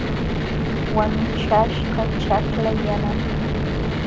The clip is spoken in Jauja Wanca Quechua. Wanuchaśhqa ćhakla yanam.